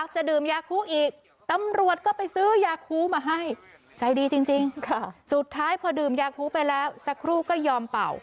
จริงสุดท้ายพอดื่มยาคุไปแล้วสักครู่ก็ยอมเป่า